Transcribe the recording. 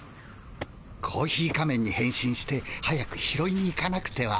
コーヒー仮面にへん身して早く拾いに行かなくては。